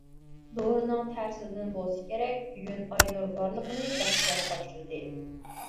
دورىنىڭ تەسىرىدىن بولسا كېرەك بۈگۈن ئاينۇر بارلىقىنى بەختىيارغا تاپشۇردى.